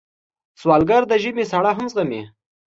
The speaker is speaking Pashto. سوالګر د ژمي سړه هم زغمي